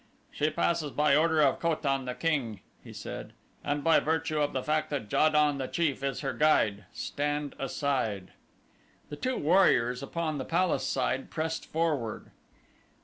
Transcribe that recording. "She passes by order of Ko tan, the king," he said, "and by virtue of the fact that Ja don, the chief, is her guide. Stand aside!" The two warriors upon the palace side pressed forward.